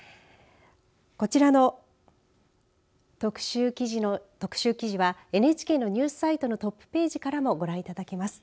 こちらの特集記事はＮＨＫのニュースサイトのトップページからもご覧いただけます。